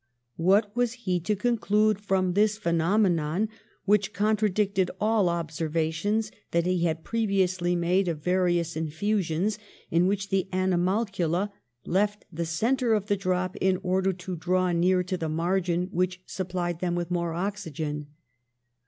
What was he to conclude from this phenomenon, which contradicted all obser vations that he had previously made of various infusions, in which the animalcula left the centre of the drop in order to draw near to the margin which supplied them with more oxy gen?